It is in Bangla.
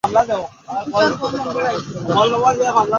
তবে তারাও হয়তো কিছুটা আক্রমণাত্মক থাকবে, যেটা আমরা ওয়ানডে সিরিজেও দেখেছি।